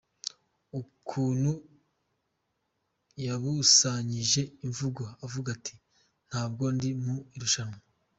Ukuntu yabusanyije imvugo avuga ati ‘Ntabwo ndi mu irushanwa’.”